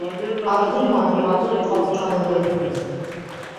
Аҙ булманы батып ҡалҡҡаныбыҙ.